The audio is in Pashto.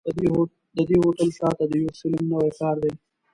د دې هوټل شاته د یورشلېم نوی ښار دی.